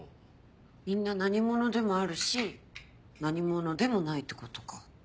みんな何者でもあるし何者でもないってことか。